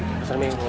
mau ke pasar minggu